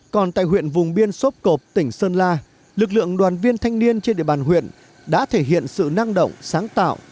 còn tại huyện vùng biên sốp cộp tỉnh sơn la lực lượng đoàn viên thanh niên trên địa bàn huyện đã thể hiện sự năng động sáng tạo